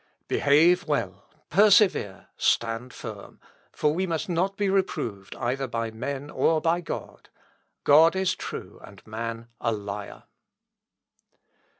Behave well, persevere, stand firm; for we must not be reproved either by men or by God; God is true, and man a liar."